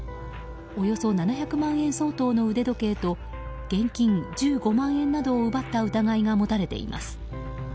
およそ７００万円相当の腕時計と現金１５万円などを奪った疑いが持たれています。